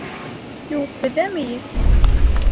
Юҡ, беҙҙә мейес